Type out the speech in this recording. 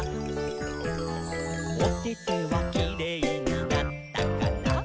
「おててはキレイになったかな？」